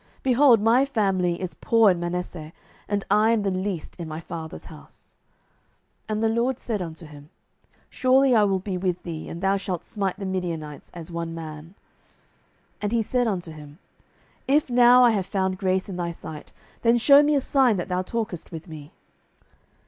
behold, my family is poor in Manasseh, and I am the least in my father's house. 07:006:016 And the LORD said unto him, Surely I will be with thee, and thou shalt smite the Midianites as one man. 07:006:017 And he said unto him, If now I have found grace in thy sight, then shew me a sign that thou talkest with me.